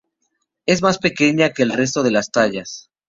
Es más pequeña que el resto de las tallas.